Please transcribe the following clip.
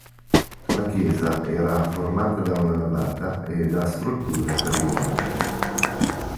La chiesa era formata da una navata e da strutture per i monaci.